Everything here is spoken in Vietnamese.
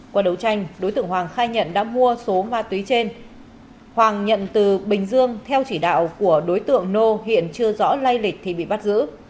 qua đấu tranh đối tượng hoàng khai nhận đã mua số ma túy trên hoàng nhận từ bình dương theo chỉ đạo của đối tượng nô hiện chưa rõ lay lịch thì bị bắt giữ